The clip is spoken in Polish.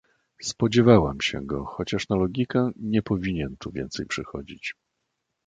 Spodziewałam się go, chociaż na logikę, nie powinien tu więcej przychodzić.